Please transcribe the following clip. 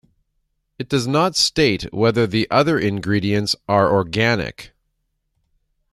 It does not state whether the other ingredients are organic.